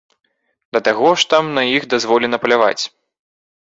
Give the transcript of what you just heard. Да таго ж там на іх дазволена паляваць.